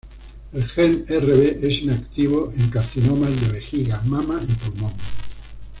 El gen Rb es inactivo en carcinomas de vejiga, mama y pulmón.